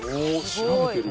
調べてる。